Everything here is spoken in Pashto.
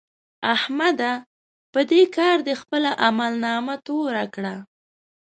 احمده! په دې کار دې خپله عملنامه توره کړه.